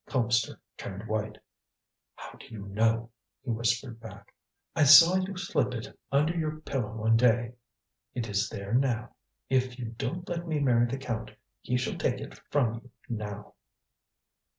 Colpster turned white. "How do you know?" he whispered back. "I saw you slip it under your pillow one day. It is there now. If you don't let me marry the Count he shall take it from you now."